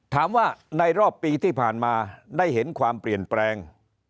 ถามว่าในรอบปีที่ผ่านมาได้เห็นความเปลี่ยนแปลง